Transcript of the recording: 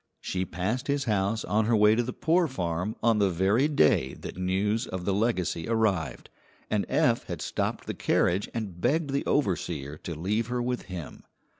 She passed his house on her way to the poor farm on the very day that news of the legacy arrived, and Eph had stopped the carriage and begged the overseer to leave her with him.